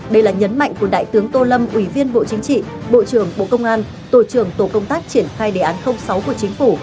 đây là nhấn mạnh của đại tướng tô lâm ủy viên bộ chính trị bộ trưởng bộ công an tổ trưởng tổ công tác triển khai đề án sáu của chính phủ